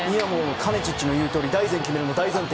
カネチッチの言うとおり大然決めるの大前提。